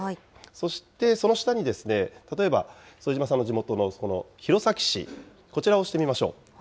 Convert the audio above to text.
そしてその下に、例えば副島さんの地元の弘前市、こちらを押してみましょう。